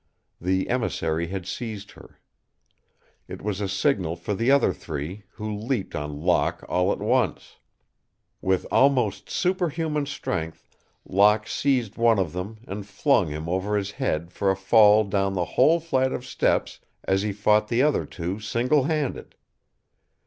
The emissary had seized her. It was a signal for the other three, who leaped on Locke all at once. With almost superhuman strength Locke seized one of them and flung him over his head for a fall down the whole flight of steps as he fought the other two single handed.